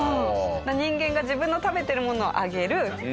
人間が自分の食べてるものをあげる。